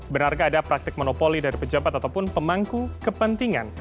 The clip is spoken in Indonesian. benarkah ada praktik monopoli dari pejabat ataupun pemangku kepentingan